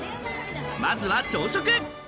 まずは朝食。